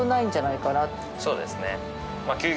そうですね。